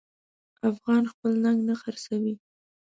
افغان خپل ننګ نه خرڅوي.